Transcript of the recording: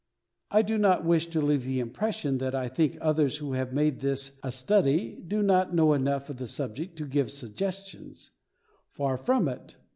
I do not wish to leave the impression that I think others who have made this a study do not know enough on the subject to give suggestions; far from it.